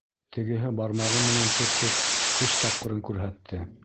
Тегеһе бармағы менән төртөп теш тапҡырын күрһәтте.